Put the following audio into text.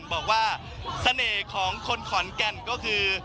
บอกว่าเสน่ห์ของคนขอนแก่นก็คือ